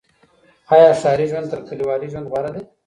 آيا ښاري ژوند تر کليوالي ژوند غوره دی؟